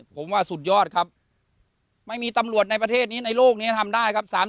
ผมว่าสุดยอดครับไม่มีตำรวจในประเทศนี้ในโลกนี้ทำได้ครับ